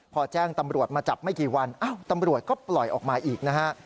พอแจ้งตำรวจมาจับไม่กี่วันตำรวจก็ปล่อยออกมาอีกนะฮะ